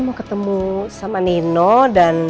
mau ketemu sama nino dan